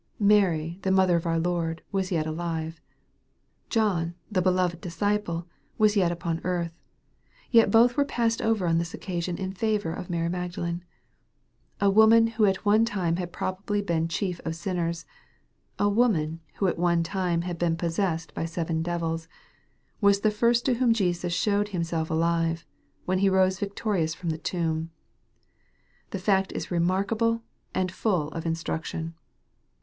Mary, the mother of our Lord, was yet alive. John, the beloved disciple, was yet upon earth. Yet both were passed over on this occasion in favor of Mary Magdalene. A woman who at one lime had probably been chief of sinners, a woman who at one time had been possessed by seven devils, was the first to whom Jesus showed Himself alive, when He rose victorious from the tomb. The fact is remarkable, and full of instruction.